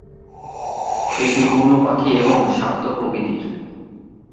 এটি বন্য পাখি এবং শান্ত প্রকৃতির।